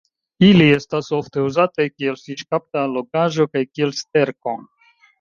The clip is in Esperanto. Ili estas ofte uzataj kiel fiŝkapta allogaĵo kaj kiel sterko.